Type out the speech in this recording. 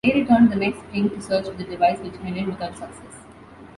They returned the next spring to search for the device, which ended without success.